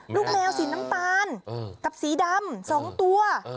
ลูกแมวสีน้ำตาลกับสีดำสองตัว